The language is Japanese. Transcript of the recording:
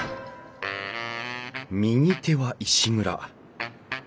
右手は石蔵。